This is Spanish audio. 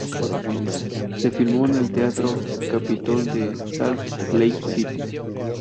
Se filmó en el Teatro Capitol en Salt Lake City.